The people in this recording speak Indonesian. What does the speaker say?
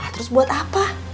terus buat apa